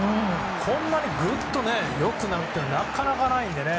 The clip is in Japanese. こんなにグッと良くなるというのはなかなかないのでね。